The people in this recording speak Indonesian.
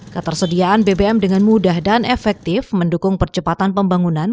ketersediaan bbm dengan mudah dan efektif mendukung percepatan pembangunan